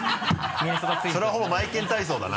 それはほぼマエケン体操だな。